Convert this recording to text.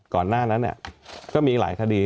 ก่อนหน้านั้นก็มีหลายคดี